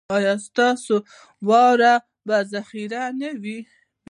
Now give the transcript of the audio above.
ایا ستاسو واوره به ذخیره نه وي؟